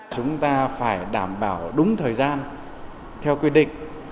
chúng ta phải đảm bảo đúng thời gian theo quy định